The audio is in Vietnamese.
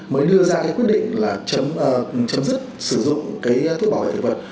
mới đưa ra quyết định là chấm dứt sử dụng thuốc bảo vệ thực vật